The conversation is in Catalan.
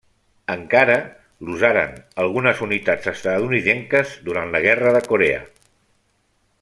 Encara l'usaren algunes unitats estatunidenques durant la Guerra de Corea.